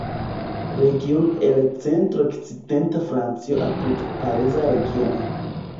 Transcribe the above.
Regiono el centr-okcidenta Francio apud Pariza Regiono.